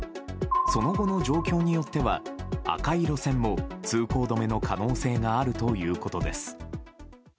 その後の状況によっては、赤い路線も通行止めの可能性があるということです。